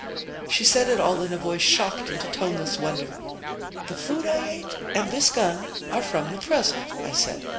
She said it all in a voice shocked into toneless wonder. "The food I ate and this gun are from the present," I said.